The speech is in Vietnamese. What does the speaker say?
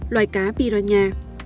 loài cá piranha